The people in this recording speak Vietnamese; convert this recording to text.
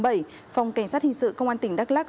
phòng cảnh sát hình sự công an tỉnh đắk lắc